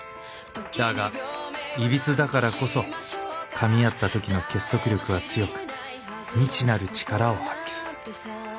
だがいびつだからこそかみ合ったときの結束力は強く未知なる力を発揮する。